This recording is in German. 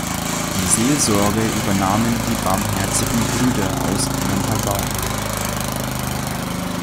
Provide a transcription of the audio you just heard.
Die Seelsorge übernahmen die Barmherzigen Brüder aus Montabaur.